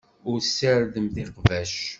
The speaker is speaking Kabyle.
Ur tessardemt iqbac.